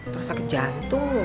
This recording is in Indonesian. terus pake jantung lo